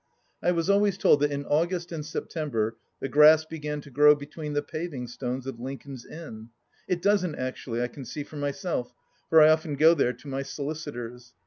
I was always told that in August and September the grass began to grow between the paving stones of Lincoln's Inn. It doesn't, actually, I can see for myself, for I often go there to my solicitors.